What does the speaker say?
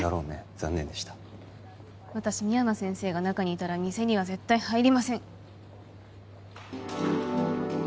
残念でした私深山先生が中にいたら店には絶対入りません